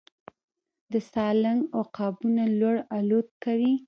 د سالنګ عقابونه لوړ الوت کوي